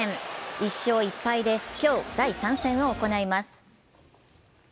１勝１敗で今日、第３戦を行います。